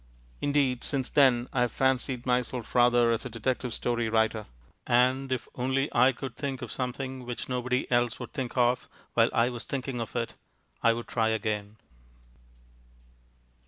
Indeed, since then I have fancied myself rather as a detective story writer, and if only I could think of something which nobody else would think of while I was thinking of it, I would try again.